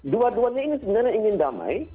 dua duanya ini sebenarnya ingin damai